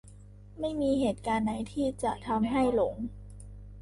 ไม่มีเหตุการณ์ไหนที่จะทำให้หลง